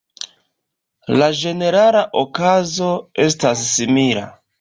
La ĝenerala okazo estas simila.